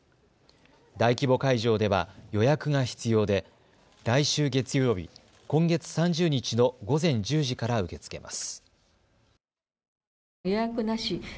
大規模会場では予約が必要で来週月曜日、今月３０日の午前１０時から受け付けます。